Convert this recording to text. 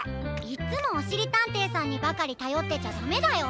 いっつもおしりたんていさんにばかりたよってちゃダメだよ。